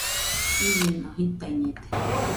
Iñeno.jitaiñede